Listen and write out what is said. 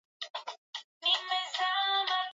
kuamua nini la kufanya kuhusu afya na mwili wao